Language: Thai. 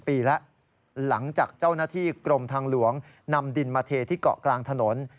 ปีแล้วหลังจากเจ้าหน้าที่กรมทางหลวงนำดินมาเทที่เกาะกลางถนน